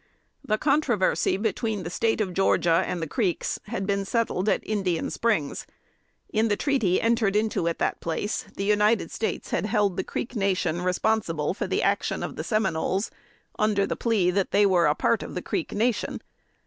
The controversy between the State of Georgia and the Creeks had been settled at Indian Springs. In the treaty entered into at that place, the United States had held the Creek Nation responsible for the action of the Seminoles, under the plea that they were a part of the Creek Nation.